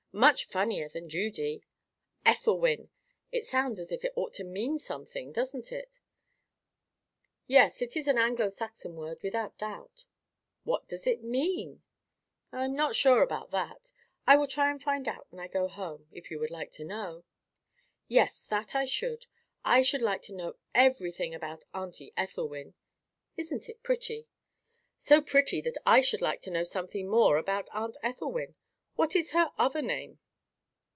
—much funnier than Judy: Ethelwyn. It sounds as if it ought to mean something, doesn't it?" "Yes. It is an Anglo Saxon word, without doubt." "What does it mean?" "I'm not sure about that. I will try to find out when I go home—if you would like to know." "Yes, that I should. I should like to know everything about auntie Ethelwyn. Isn't it pretty?" "So pretty that I should like to know something more about Aunt Ethelwyn. What is her other name?"